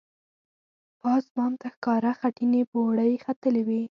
پاس بام ته ښکاره خټینې پوړۍ ختلې وې.